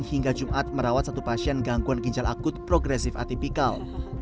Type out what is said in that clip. hingga jumat merawat satu pasien gangguan ginjal akut progresif atipikal